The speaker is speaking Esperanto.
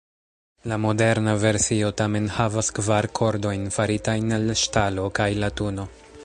La moderna versio tamen havas kvar kordojn faritajn el ŝtalo kaj latuno.